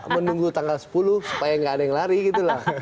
menunggu tanggal sepuluh supaya nggak ada yang lari gitu lah